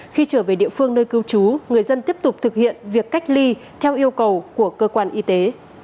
khi trở về địa phương nơi cư trú người dân tiếp tục thực hiện việc cách ly theo yêu cầu của cơ quan y tế